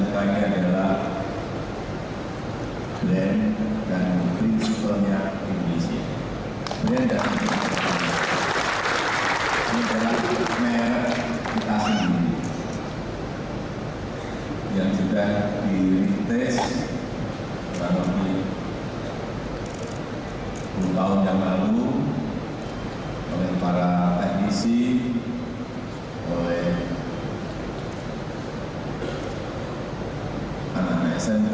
pabrik smk yang juga di test dalam sepuluh tahun yang lalu oleh para teknisi oleh anak anak smk